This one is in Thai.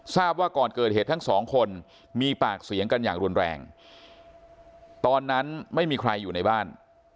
ทราบว่าก่อนเกิดเหตุทั้งสองคนมีปากเสียงกันอย่างรุนแรงตอนนั้นไม่มีใครอยู่ในบ้าน